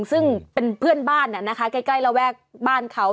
ซึ่งเป็นเพื่อนบ้านใกล้ระแวกบ้านเขา